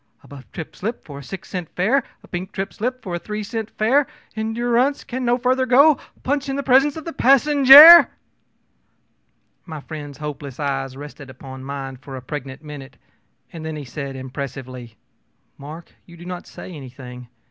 a buff trip slip for a six cent fare, a pink trip slip for a three cent fare endu rance can no fur ther go! PUNCH in the presence of the passenjare!ö My friend's hopeless eyes rested upon mine a pregnant minute, and then he said impressively: ōMark, you do not say anything.